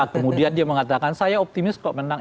kemudian dia mengatakan saya optimis kok menang